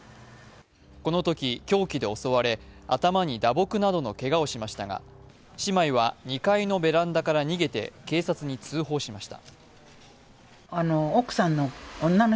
このとき凶器で襲われ、頭に打撲などのけがをしましたが姉妹は２階のベランダから逃げて警察に通報しました。